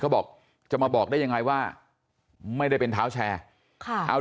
เขาบอกจะมาบอกได้ยังไงว่าไม่ได้เป็นเท้าแชร์ค่ะเอา